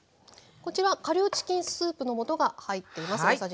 こちら顆粒チキンスープの素が入っています。